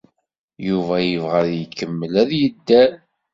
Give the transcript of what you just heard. Yuba yebɣa ad ikemmel ad yedder.